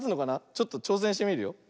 ちょっとちょうせんしてみるよ。